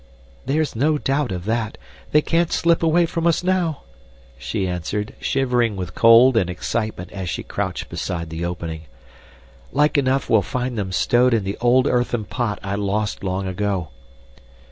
"There's no doubt of that. They can't slip away from us now," she answered, shivering with cold and excitement as she crouched beside the opening. "Like enough we'll find them stowed in the old earthen pot I lost long ago."